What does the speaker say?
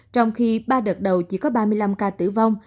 trong khi ba đợt đầu chỉ có ba mươi năm ca tử vong